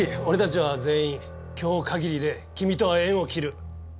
俺たちは全員今日かぎりで君とは縁を切る。